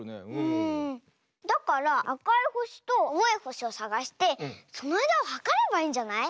だからあかいほしとあおいほしをさがしてそのあいだをはかればいいんじゃない？